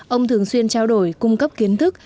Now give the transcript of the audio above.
ông thường xuyên trao đổi cung cấp kiến thức